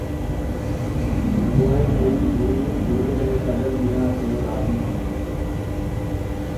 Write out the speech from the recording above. پو ٻئيٚ ڌريٚݩ گرڙي ري ڪڍل ڏيݩهآݩ تي رآزيٚ ٿئيݩ دآ